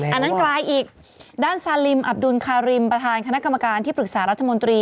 อันนั้นกลายอีกด้านซาลิมอับดุลคาริมประธานคณะกรรมการที่ปรึกษารัฐมนตรี